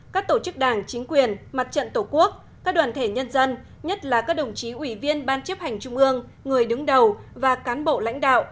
các tổ chức đảng chính quyền mặt trận tổ quốc các đoàn thể nhân dân nhất là các đồng chí ủy viên ban chấp hành trung ương người đứng đầu và cán bộ lãnh đạo